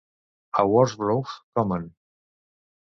A Worsbrough Common.